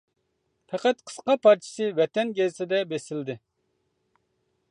پەقەت قىسقا پارچىسى «ۋەتەن» گېزىتىدە بېسىلدى.